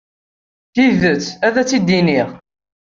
Tidet, ad tt-id-nini.